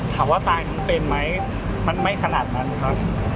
ถามว่าตายทั้งเป็นไหมมันไม่ขนาดนั้นครับ